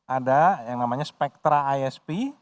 ada yang namanya spektra isp